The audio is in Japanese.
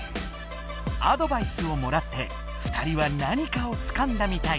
アドバイスをもらってふたりは何かをつかんだみたい。